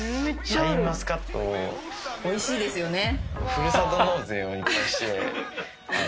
おいしいですよね。